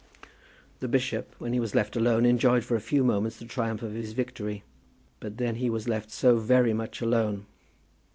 The bishop, when he was left alone, enjoyed for a few moments the triumph of his victory. But then he was left so very much alone!